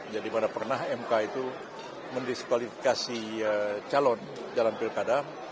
jadi pada pernah mk itu mendiskualifikasi calon dalam pilkada